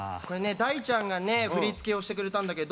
大ちゃんが振り付けをしてくれたんだけど。